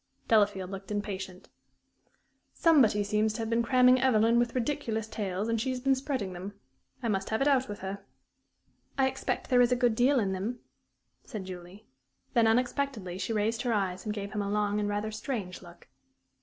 Delafield looked impatient. "Somebody seems to have been cramming Evelyn with ridiculous tales, and she's been spreading them. I must have it out with her." "I expect there is a good deal in them," said Julie. Then, unexpectedly, she raised her eyes and gave him a long and rather strange look.